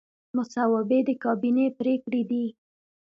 مصوبې د کابینې پریکړې دي